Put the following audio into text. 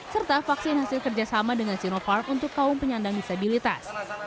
serta vaksin hasil kerjasama dengan sinovac untuk kaum penyandang disabilitas